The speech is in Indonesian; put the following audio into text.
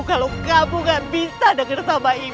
kalau kamu gak bisa deket sama ibu